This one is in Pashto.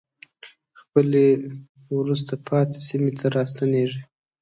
خپلې وروسته پاتې سیمې ته راستنېږي.